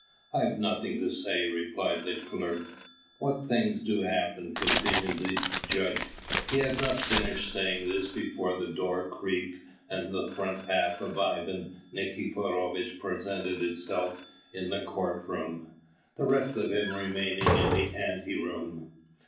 "I've nothing to say," replied the clerk. "What things do happen!" continued the judge. He had not finished saying this before the door creaked and the front half of Ivan Nikiforovitch presented itself in the court room; the rest of him remaining in the ante room.